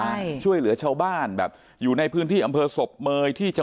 ใช่ช่วยเหลือเช้าบ้านแบบอยู่ในพื้นที่อำเมยที่